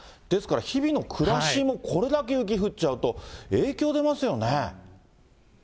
ですから、日々の暮らしもこれだけ雪降っちゃうと、影響出ますよね。